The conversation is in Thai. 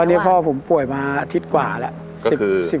ตอนนี้พ่อผมป่วยมาอาทิตย์กว่าแล้ว